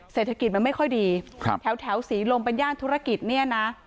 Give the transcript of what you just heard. เศรษฐกิจมันไม่ค่อยดีแถวศรีลมเป็นย่านธุรกิจเนี่ยนะ